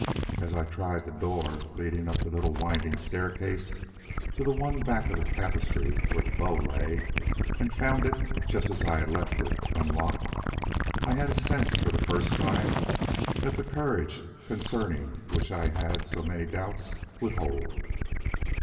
As I tried the door leading up the little winding staircase to the one back of the tapestry where the bow lay, and found it, just as I had left it, unlocked, I had a sense for the first time that the courage concerning which I had had so many doubts would hold.